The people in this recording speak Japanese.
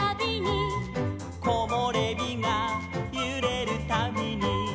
「こもれびがゆれるたびに」